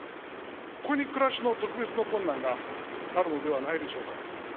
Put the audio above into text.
ここに暮らしの特別な困難があるのではないでしょうか。